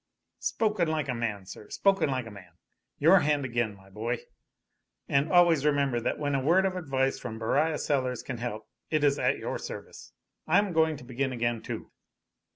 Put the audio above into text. "Spoken like a man, sir, spoken like a man! Your hand, again my boy! And always remember that when a word of advice from Beriah Sellers can help, it is at your service. I'm going to begin again, too!"